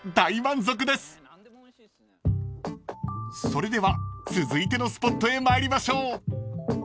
［それでは続いてのスポットへ参りましょう］